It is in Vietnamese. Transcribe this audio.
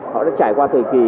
họ đã trải qua thời kỳ